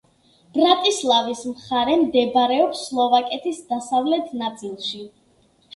ბრატისლავის მხარე მდებარეობს სლოვაკეთის დასავლეთ ნაწილში.